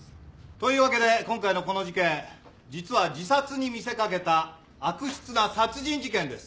というわけで今回のこの事件実は自殺に見せかけた悪質な殺人事件です。